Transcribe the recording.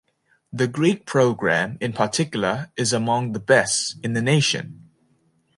The Greek program, in particular, is among the best in the nation.